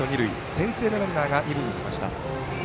先制のランナーが二塁にきました。